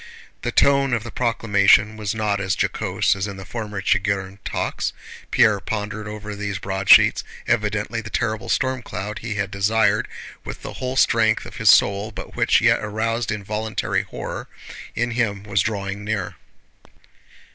The tone of the proclamation was not as jocose as in the former Chigírin talks. Pierre pondered over these broadsheets. Evidently the terrible stormcloud he had desired with the whole strength of his soul but which yet aroused involuntary horror in him was drawing near.